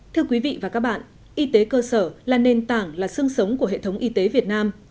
thưa quý vị và các bạn y tế cơ sở là nền tảng là sương sống của hệ thống y tế việt nam